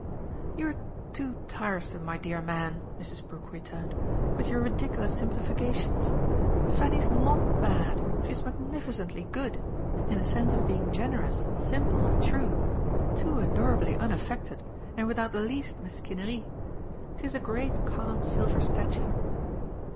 "You're too tiresome, my dear man," Mrs. Brook returned, "with your ridiculous simplifications. Fanny's NOT 'bad'; she's magnificently good in the sense of being generous and simple and true, too adorably unaffected and without the least mesquinerie. She's a great calm silver statue."